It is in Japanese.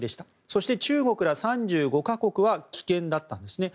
そして、中国ら３５か国は棄権だったんですね。